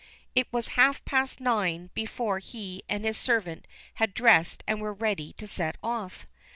It was half past nine before he and his servant had dressed and were ready to set off.